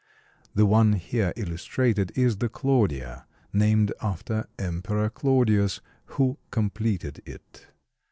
The one here illustrated is the Claudia, named after Emperor Claudius, who completed it.